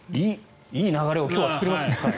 いい流れを今日は作りましたね。